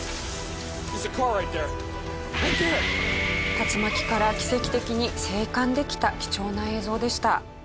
竜巻から奇跡的に生還できた貴重な映像でした。